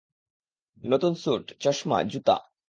নতুন স্যুট, চশমা, জুতা।